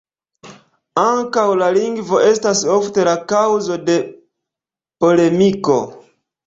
Ankaŭ la lingvo estas ofte la kaŭzo de polemiko.